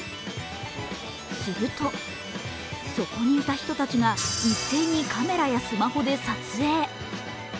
すると、そこにいた人たちが一斉にカメラやスマホで撮影。